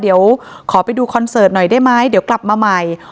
เดี๋ยวขอไปดูคอนเสิร์ตหน่อยได้ไหมเดี๋ยวกลับมาใหม่